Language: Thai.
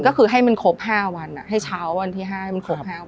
ก็คือให้มันครบห้าวันอะให้เช้าวันที่ห้าให้มันครบห้าวัน